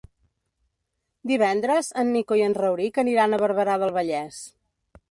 Divendres en Nico i en Rauric aniran a Barberà del Vallès.